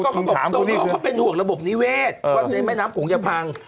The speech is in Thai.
เขาเป็นห่วงระบบนิเวศเพราะในแม่น้ำโขงจะพัง